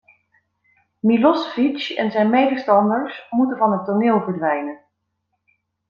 Milosevic en zijn medestanders moeten van het toneel verdwijnen.